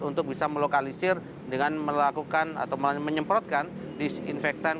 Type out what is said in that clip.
untuk bisa melokalisir dengan melakukan atau menyemprotkan disinfektan